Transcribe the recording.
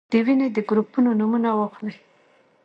د وینې د ګروپونو نومونه واخلئ.